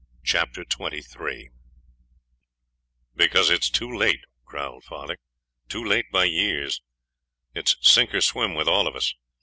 Chapter 23 'Because it's too late,' growled father; 'too late by years. It's sink or swim with all of us.